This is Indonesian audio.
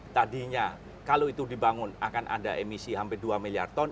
tadinya kalau itu dibangun akan ada emisi hampir dua miliar ton